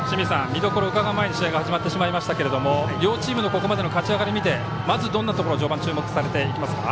見どころを伺う前に試合が始まってしまいましたが両チームのここまでについてまずどんなところ序盤注目されていきますか。